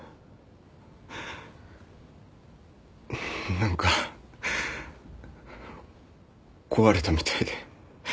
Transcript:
何か壊れたみたいで。